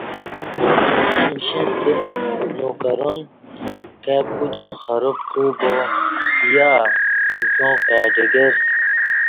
امکی امشݩیں ستہ نوکران کائ کودیوم خراب کع با یا امکیاں کائ ڈگر